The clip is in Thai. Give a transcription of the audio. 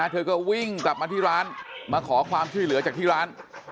เธอก็วิ่งกลับมาที่ร้านมาขอความช่วยเหลือจากที่ร้าน